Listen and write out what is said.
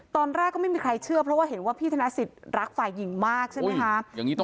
ตอนแรกก็ไม่มีใครเชื่อเพราะว่าเห็นว่าพี่ธนสิทธิ์รักฝ่ายหญิงมากใช่ไหมคะ